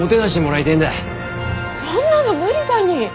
そんなの無理だに！